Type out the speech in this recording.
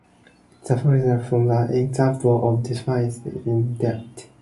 The fortifications form an example of defence in depth.